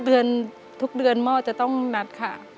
เดือนทุกเดือนหม้อจะต้องนัดค่ะ